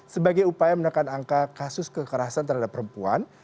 sebagai upaya menekan angka kasus kekerasan terhadap perempuan